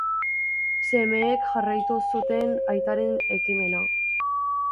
Semeek jarraitu zuten aitaren ekimena.